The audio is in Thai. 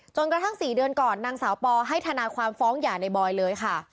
กระทั่ง๔เดือนก่อนนางสาวปอให้ทนายความฟ้องหย่าในบอยเลยค่ะ